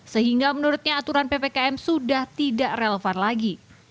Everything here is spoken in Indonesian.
sehingga menurutnya aturan ppkm sudah tidak relevan lagi